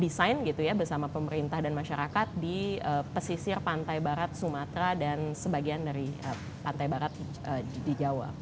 desain gitu ya bersama pemerintah dan masyarakat di pesisir pantai barat sumatera dan sebagian dari pantai barat di jawa